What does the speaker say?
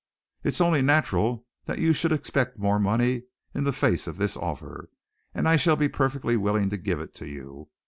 It's only natural that you should expect more money in the face of this offer, and I shall be perfectly willing to give it to you.